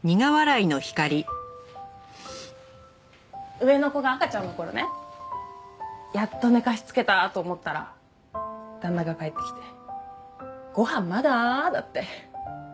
上の子が赤ちゃんの頃ねやっと寝かしつけたと思ったら旦那が帰ってきて「ご飯まだ？」だって。